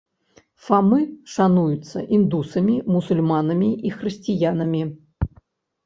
Фамы шануецца індусамі, мусульманамі і хрысціянамі.